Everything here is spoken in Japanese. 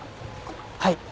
はい。